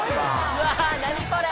うわ何これ。